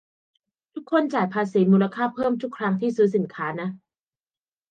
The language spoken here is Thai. - ทุกคนจ่ายภาษีมูลค่าเพิ่มทุกครั้งที่ซื้อสินค้านะ